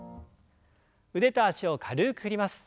腕と脚を軽く振ります。